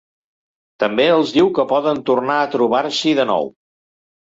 També els diu que poden tornar a trobar-s'hi de nou.